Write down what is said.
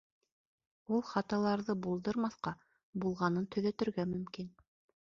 Ул хаталарҙы булдырмаҫҡа, булғанын төҙәтергә мөмкин.